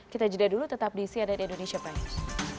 kita jeda dulu tetap di cnn indonesia prime news